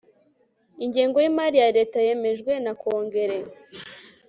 ingengo y'imari ya leta yemejwe na kongere